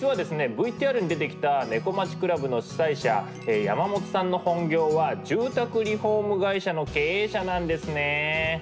ＶＴＲに出てきた「猫町倶楽部」の主宰者山本さんの本業は住宅リフォーム会社の経営者なんですね。